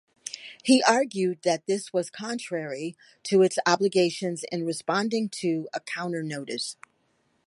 He argued that this was contrary to its obligations in responding to a counter-notice.